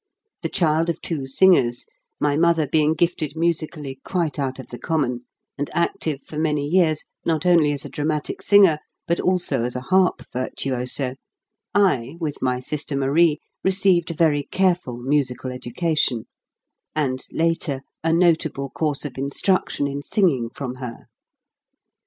The child of two singers, my mother being MY PURPOSE 5 gifted musically quite out of the common, and active for many years not only as a dra matic singer, but also as a harp virtuoso, I, with my sister Marie, received a very careful musical education, and later a notable course of in struction in singing from her.'.